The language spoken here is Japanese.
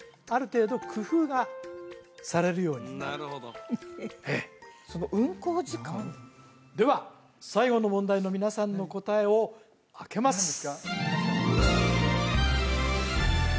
ある程度工夫がされるようになるとその運行時間では最後の問題の皆さんの答えをあけます